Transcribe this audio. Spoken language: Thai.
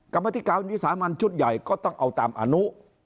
กรรมธิการวิสามันชุดใหญ่ก็ต้องเอาตามอนุ